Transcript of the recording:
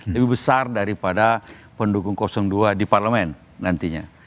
lebih besar daripada pendukung dua di parlemen nantinya